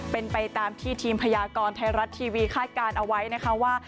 เป็นไปตามที่ทีมพยากรไทยรัฐทีวีคาดการณ์เอาไว้นะคะว่า